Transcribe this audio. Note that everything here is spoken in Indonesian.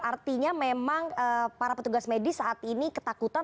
artinya memang para petugas medis saat ini ketakutan